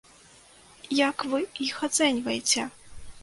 Як вы іх ацэньваеце?